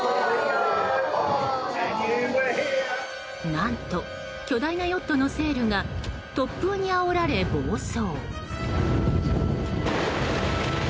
何と巨大なヨットのセールが突風にあおられ暴走。